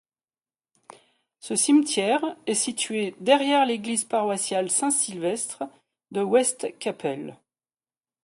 Ce cimetière est situé derrière l'église paroissiale Saint-Sylvestre de West-Cappel.